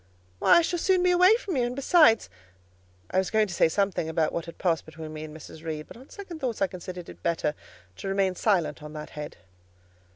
"Why, I shall soon be away from you, and besides"—I was going to say something about what had passed between me and Mrs. Reed, but on second thoughts I considered it better to remain silent on that head.